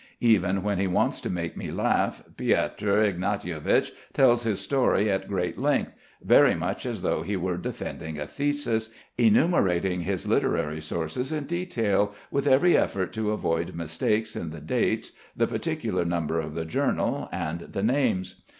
Even when he wants to make me laugh, Piotr Ignatievich tells his story at great length, very much as though he were defending a thesis, enumerating his literary sources in detail, with every effort to avoid mistakes in the dates, the particular number of the journal and the names.